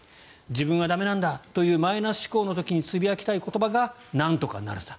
自分は駄目なんだというマイナス思考の時につぶやきたい言葉が「なんとかなるさ」。